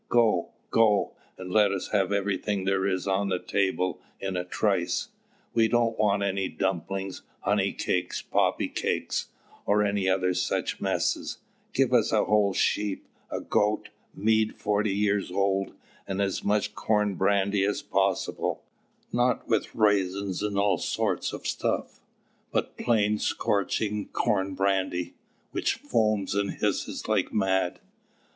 Go, go, and let us have everything there is on the table in a trice. We don't want any dumplings, honey cakes, poppy cakes, or any other such messes: give us a whole sheep, a goat, mead forty years old, and as much corn brandy as possible, not with raisins and all sorts of stuff, but plain scorching corn brandy, which foams and hisses like mad."